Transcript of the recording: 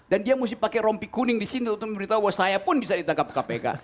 dan dia mesti pakai rompi kuning di sini untuk memberitahu bahwa saya pun bisa ditangkap kpk